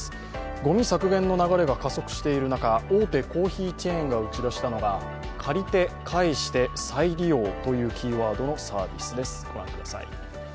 ごみ削減の流れが加速している中、大手コーヒーチェーンが打ち出したのが借りて、返して、再利用というキーワードのサービスです。